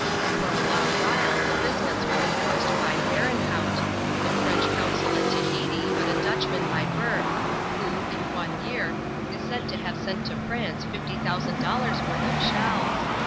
For a long while the business was engrossed by Merenhout, the French consul at Tahiti, but a Dutchman by birth, who, in one year, is said to have sent to France fifty thousand dollars' wordi of shells.